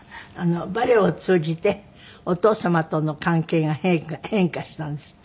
バレエを通じてお父様との関係が変化したんですって？